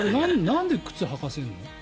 なんで靴履かせるの？